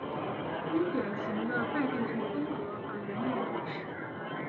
因典型的拜占庭风格而闻名于世。